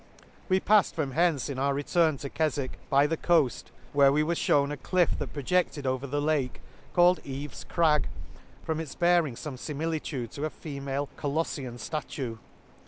— We pa! Ted from hence, in our return to Kefwick, by the coaft, where we were fhewn a cliff that projected over the Lake, called Eve's Crag, from its bear ing fome fimilitude to a female Coloffian ftatue.